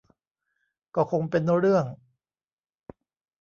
ก็คงเป็นเรื่อง